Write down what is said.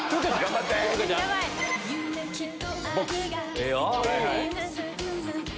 ええよ！